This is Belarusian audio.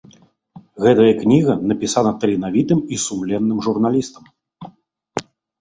Гэтая кніга напісана таленавітым і сумленным журналістам.